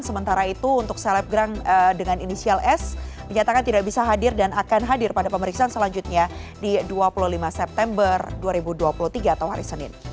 sementara itu untuk selebgram dengan inisial s menyatakan tidak bisa hadir dan akan hadir pada pemeriksaan selanjutnya di dua puluh lima september dua ribu dua puluh tiga atau hari senin